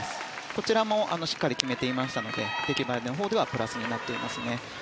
こちらもしっかり決めていましたので出来栄えのほうではプラスになっていますね。